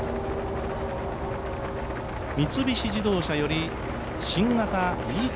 三菱自動車より新型ｅＫ